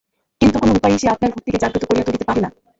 কিন্তু কোনো উপায়েই সে আপনার ভক্তিকে জাগ্রত করিয়া তুলিতে পারে না।